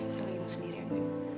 saya lagi mau sendiri mbak